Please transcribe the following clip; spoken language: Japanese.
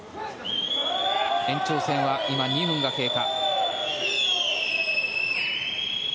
延長戦は今、２分が経過。